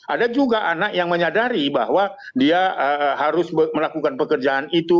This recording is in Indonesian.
ada juga anak yang menyadari bahwa dia harus melakukan pekerjaan itu